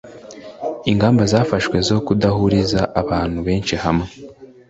ingamba zafashwe zo kudahuriza abantu benshi hamwe